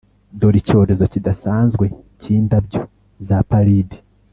dore icyorezo kidasanzwe cy'indabyo za pallid!